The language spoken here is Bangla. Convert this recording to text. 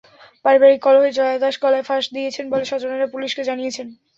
পারিবারিক কলহে জয়া দাস গলায় ফাঁস দিয়েছেন বলে স্বজনেরা পুলিশকে জানিয়েছেন।